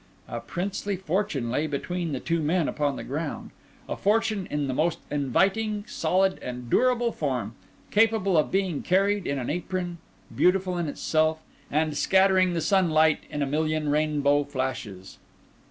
A princely fortune lay between the two men upon the ground—a fortune in the most inviting, solid, and durable form, capable of being carried in an apron, beautiful in itself, and scattering the sunlight in a million rainbow flashes.